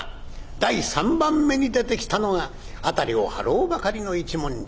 第三番目に出てきたのが辺りを払うばかりの一文字